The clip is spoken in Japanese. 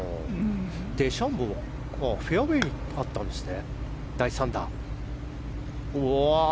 デシャンボーフェアウェーにあったんですね。